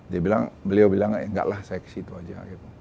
dia bilang beliau bilang enggak lah saya ke situ aja